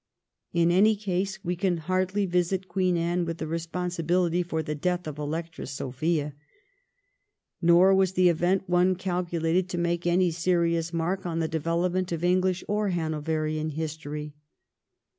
In any case we can hardly visit Queen Anne with responsibility for the death of the Electress Sophia. Nor was the event one calculated to make any serious mark on the development of English or Hanoverian history.